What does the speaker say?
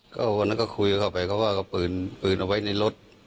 ก็วันนั้นก็คุยเข้าไปเขาก็เอาปืนเอาไว้ในรถ